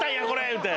言うて。